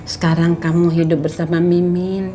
sekarang kamu hidup bersama mimil